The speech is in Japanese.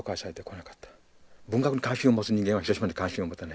文学に関心を持つ人間は広島に関心を持たない。